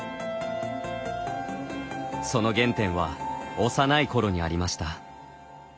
その原点は幼いころにありました。